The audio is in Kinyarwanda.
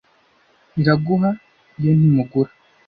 iraguha yo ntimugura